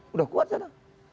sudah kuat saya